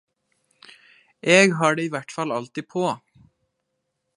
Eg har det i vertfall alltid på.